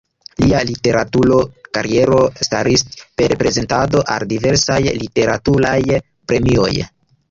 Lia literatura kariero startis per prezentado al diversaj literaturaj premioj.